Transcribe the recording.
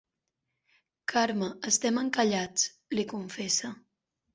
Carme estem encallats —li confessa—.